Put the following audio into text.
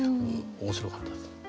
面白かったです。